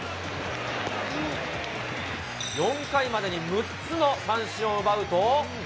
４回までに６つの三振を奪うと。